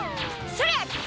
それ！